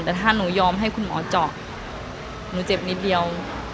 แต่ถ้าหนูยอมให้คุณหมอเจาะหนูเจ็บนิดเดียว